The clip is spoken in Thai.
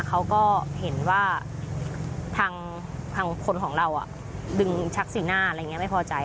เขาก็เห็นว่าทางคนของเราดึงชักสีหน้าอะไรอย่างนี้ไม่พอใจ